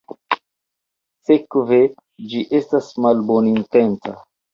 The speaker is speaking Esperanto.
Sekve, ĝi estas malbonintenca.